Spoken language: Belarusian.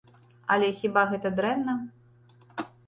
Але хіба гэта дрэнна?